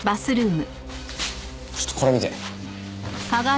ちょっとこれ見て。